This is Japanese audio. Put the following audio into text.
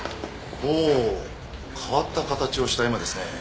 ほう変わった形をした絵馬ですね。